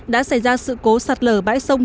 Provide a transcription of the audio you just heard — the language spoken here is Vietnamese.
đã xảy ra sự cố sạt lở bãi sông